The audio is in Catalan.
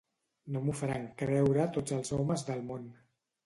No m'ho faran creure tots els homes del món.